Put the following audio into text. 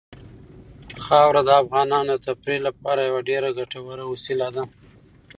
خاوره د افغانانو د تفریح لپاره یوه ډېره ګټوره وسیله ده.